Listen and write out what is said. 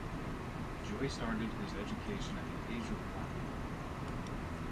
Joy started his education at the age of one.